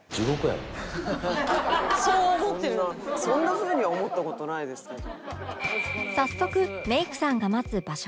そんな風には思った事ないですけど。